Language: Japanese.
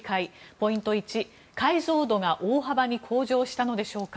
ポイント１、解像度が大幅に向上したのでしょうか。